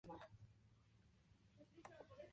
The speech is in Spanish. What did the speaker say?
La piña y melones son otras cosechas importantes.